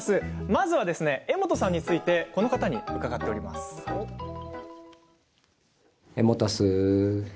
まずは柄本さんについてこの方に伺っています。